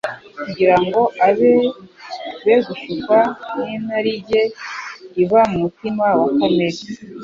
kugira ngo abe be gushukwa n'inarinjye iba mu mutima wa kamere